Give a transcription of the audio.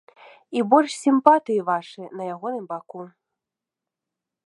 І больш сімпатыі вашы на ягоным баку.